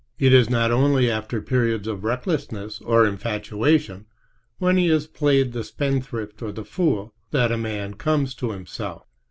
It is not only after periods of recklessness or infatuation, when he has played the spendthrift or the fool, that a man comes to himself.